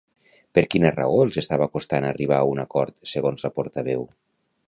Per quina raó els estava costant arribar a un acord, segons la portaveu?